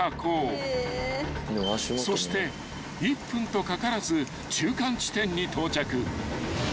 ［そして１分とかからず中間地点に到着］